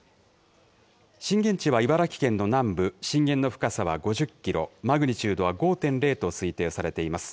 震源地は茨城県の南部、震源の深さは５０キロ、マグニチュードは５．０と推定されています。